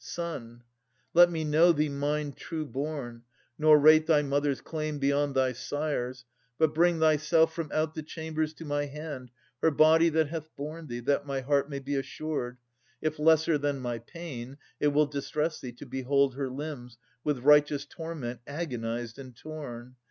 Son, let me know thee mine true born, nor rate Thy mother's claim beyond thy sire's, but bring Thyself from out the chambers to my hand Her body that hath borne thee, that my heart May be assured, if lesser than my pain It will distress thee to behold her limbs With righteous torment agonized and torn.